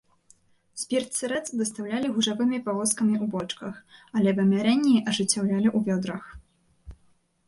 Спірт-сырэц дастаўлялі гужавымі павозкамі ў бочках, але вымярэнні ажыццяўлялі ў вёдрах.